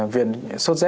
viện sốt z